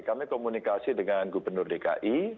kami komunikasi dengan gubernur dki